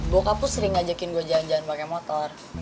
bokap tuh sering ngajakin gua jangan jangan pakai motor